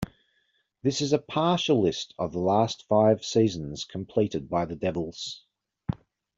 This is a partial list of the last five seasons completed by the Devils.